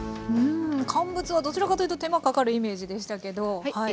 うん乾物はどちらかというと手間かかるイメージでしたけど。